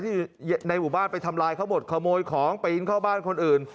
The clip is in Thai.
ที่อยู่ในบ้านไปทำลายเขาหมดขโมยของไปยิงเข้าบ้านคนอื่น